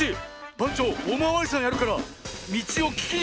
ばんちょうおまわりさんやるからみちをききにきてごらん。